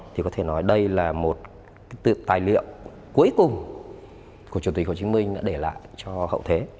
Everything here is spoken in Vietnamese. thì có thể nói đây là một tài liệu cuối cùng của chủ tịch hồ chí minh đã để lại cho hậu thế